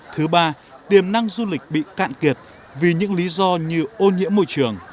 thứ ba tiềm năng du lịch bị cạn kiệt vì những lý do như ô nhiễm môi trường